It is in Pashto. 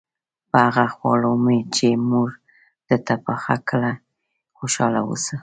په هغه خواړو چې مور درته پاخه کړي خوشاله اوسه.